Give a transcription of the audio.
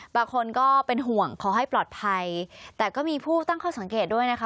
บางคนก็เป็นห่วงขอให้ปลอดภัยแต่ก็มีผู้ตั้งข้อสังเกตด้วยนะคะ